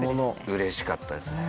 うれしかったですね。